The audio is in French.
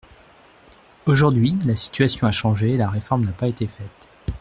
Aujourd’hui, la situation a changé, et la réforme n’a pas été faite.